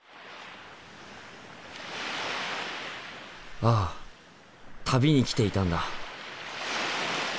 ああ旅に来ていたんだ。